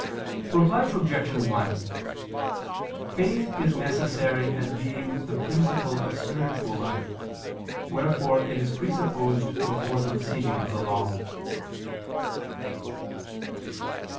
Reply Obj. 1: Faith is necessary as being the principle of spiritual life, wherefore it is presupposed before the receiving of the Law.